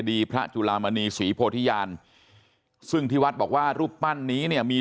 พระจุลามณีศรีโพธิญาณซึ่งที่วัดบอกว่ารูปปั้นนี้เนี่ยมี